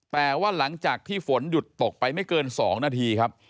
แต่ว่าหลังจากที่ฝนหยุดตกไปไม่เกิน๒นาทีครับ